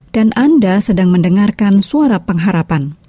anda sedang mendengarkan suara pengharapan